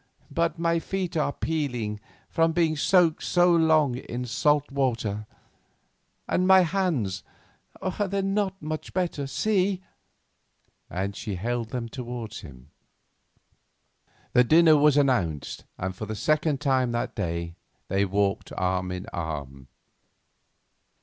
But my feet are peeling from being soaked so long in salt water, and my hands are not much better. See," and she held them towards him. Then dinner was announced, and for the second time that day they walked arm in arm.